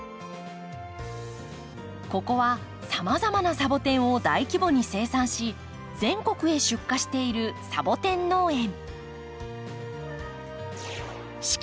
ここはさまざまなサボテンを大規模に生産し全国へ出荷しているサボテン農園。